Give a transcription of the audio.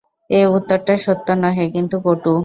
এ উত্তরটা সত্য নহে, কিন্তু কটু।